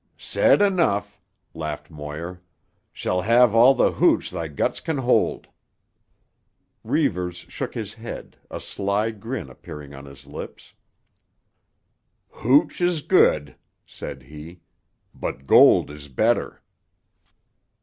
"Said enough," laughed Moir. "Shall have all tuh hooch thy guts can hold." Reivers shook his head, a sly grin appearing on his lips. "Hooch is good," said he, "but gold is better."